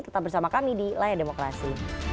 tetap bersama kami di layar demokrasi